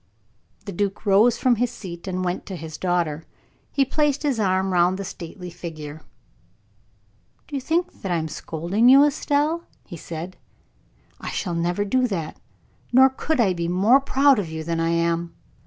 The duke rose from his seat and went to his daughter. He placed his arm round the stately figure. "Do you think that I am scolding you, Estelle?" he said. "I shall never do that. Nor could I be more proud of you than I am.